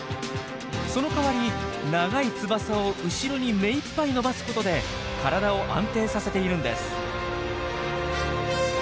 その代わり長い翼を後ろに目いっぱい伸ばすことで体を安定させているんです。